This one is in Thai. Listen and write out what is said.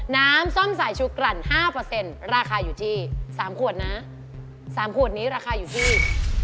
น้ำส้มสายชูกรันห้าเปอร์เซ็นต์ราคาอยู่ที่สามขวดนะสามขวดนี้ราคาอยู่ที่